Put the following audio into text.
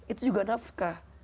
itu juga nafkah